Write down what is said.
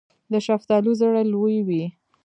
د شفتالو زړې لویې وي.